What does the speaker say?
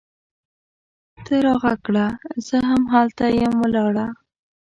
ته راږغ کړه! زه هم هلته یم ولاړه